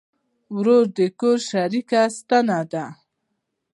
ورور د کور شریکه ستنه ده.